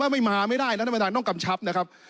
ไม่มาไม่ได้แล้วท่านประธานต้องกำชับนะครับ